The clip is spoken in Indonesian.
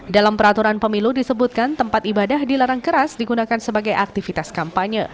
dalam peraturan pemilu disebutkan tempat ibadah dilarang keras digunakan sebagai aktivitas kampanye